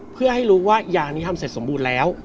เพื่อให้รู้ว่ายานี้ทำเสร็จสมบูรณ์แล้ว